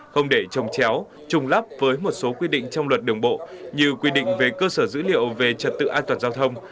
không để trồng chéo trùng lắp với một số quy định trong luật đường bộ như quy định về cơ sở dữ liệu về trật tự an toàn giao thông